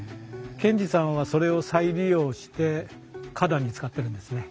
賢治さんはそれを再利用して花壇に使ってるんですね。